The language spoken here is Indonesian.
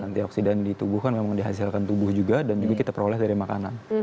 antioksidan di tubuh kan memang dihasilkan tubuh juga dan juga kita peroleh dari makanan